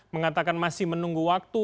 mengatakan masih menunggu waktu